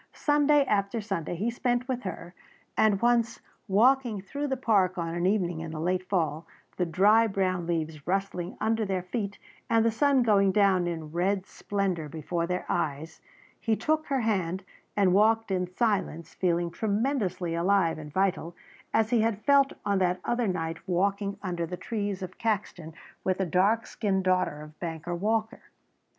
Sunday after Sunday he spent with her, and once, walking through the park on an evening in the late fall, the dry brown leaves rustling under their feet and the sun going down in red splendour before their eyes, he took her hand and walked in silence, feeling tremendously alive and vital as he had felt on that other night walking under the trees of Caxton with the dark skinned daughter of banker Walker.